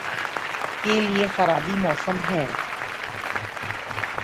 کے لئے خرابیٔ موسم ہے۔